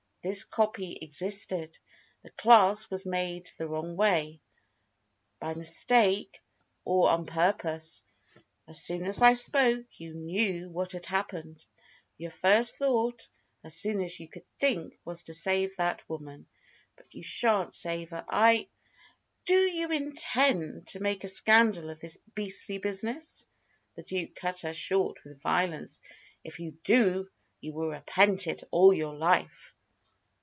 This copy existed. The clasp was made the wrong way, by mistake or on purpose. As soon as I spoke, you knew what had happened. Your first thought as soon as you could think was to save that woman. But you shan't save her! I " "Do you intend to make a scandal of this beastly business?" the Duke cut her short with violence. "If you do, you will repent it all your life."